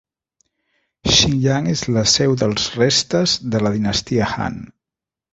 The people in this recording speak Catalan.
Xingyang es la seu dels restes de la dinastia Han.